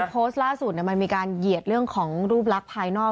โพสต์ล่าสุดมันมีการเหยียดเรื่องของรูปลักษณ์ภายนอก